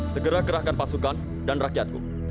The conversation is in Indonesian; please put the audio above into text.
segera gerahkan pasukan dan rakyatku